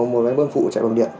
một máy bơm phụ chạy bằng điện